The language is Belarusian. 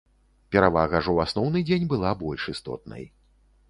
Перавага ж у асноўны дзень была больш істотнай.